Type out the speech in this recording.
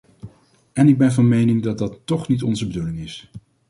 En ik ben van mening dat dat toch niet onze bedoeling is.